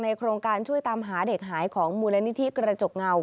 โครงการช่วยตามหาเด็กหายของมูลนิธิกระจกเงา